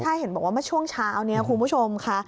ใช่เห็นบอกว่าเมื่อช่วงเช้านี้คุณผู้ชมค่ะ